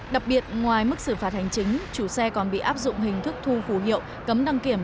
đặc biệt ngoài mức xử phạt hành chính chủ xe còn bị áp dụng hình thức thu phủ hiệu cấm đăng kiểm